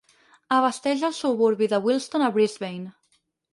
Abasteix el suburbi de Wilston a Brisbane.